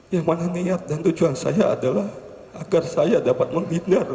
yang mana niat dan tujuan saya adalah agar saya dapat menghindar